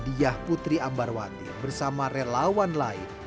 diah putri ambarwati bersama relawan lain